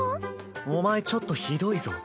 お前ちょっとひどいぞ。